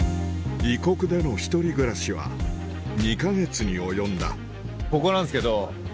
異国での１人暮らしは２か月に及んだここなんすけど。